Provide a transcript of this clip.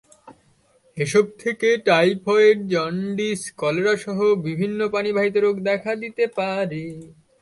এসব থেকে থেকে টাইফয়েড, জন্ডিস, কলেরাসহ বিভিন্ন পানিবাহিত রোগ দেখা দিতে পারে।